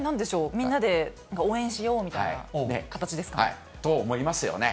みんなで応援しようみたいな形ですかね。と思いますよね？